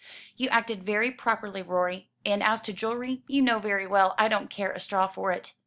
"You acted very properly, Rorie; and as to jewellery, you know very well I don't care a straw for it."